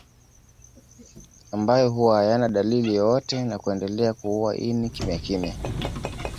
Ambayo huwa hayana dalili yoyote na kuendelea kuua ini kimyakimya